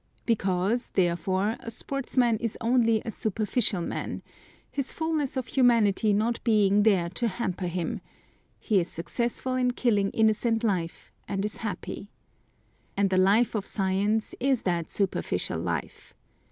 Because, therefore, a sportsman is only a superficial man, his fullness of humanity not being there to hamper him, he is successful in killing innocent life and is happy. And the life of science is that superficial life.